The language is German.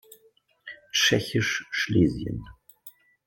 Tschechisch Schlesien